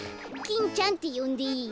キンちゃんってよんでいい？